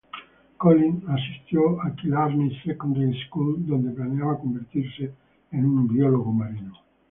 Colin asistió a la Killarney Secondary School, donde planeaba convertirse en un biólogo marino.